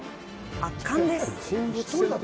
圧巻です。